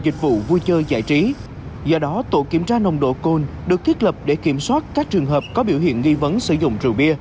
dịch vụ vui chơi giải trí do đó tổ kiểm tra nồng độ cồn được thiết lập để kiểm soát các trường hợp có biểu hiện nghi vấn sử dụng rượu bia